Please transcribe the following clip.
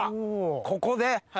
ここで？